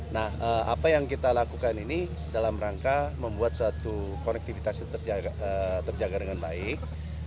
nah apa yang kita lakukan ini dalam rangka membuat suatu konektivitas itu terjaga dengan baik